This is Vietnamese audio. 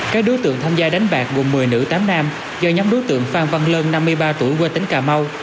các đối tượng tham gia đánh bạc gồm một mươi nữ tám nam do nhóm đối tượng phan văn lân năm mươi ba tuổi quê tỉnh cà mau